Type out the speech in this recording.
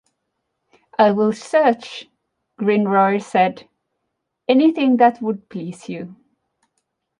I will search, Gringoire said, anything that would please you.